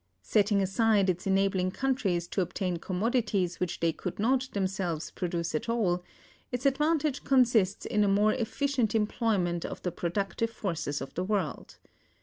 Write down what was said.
Setting aside its enabling countries to obtain commodities which they could not themselves produce at all, its advantage consists in a more efficient employment of the productive forces of the world.